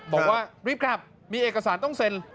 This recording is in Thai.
บอกว่ารีบกลับมีเอกสารต้องเซ็น